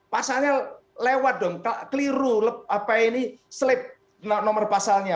pasalnya lewat dong keliru apa ini slip nomor pasalnya